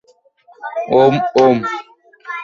ওম, - ওম।